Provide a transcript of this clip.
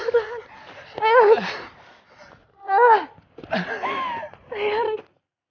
rik bertahan rik